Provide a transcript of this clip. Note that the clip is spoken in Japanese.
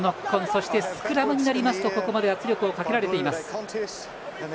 そしてスクラムになるとここまで圧力をかけられています。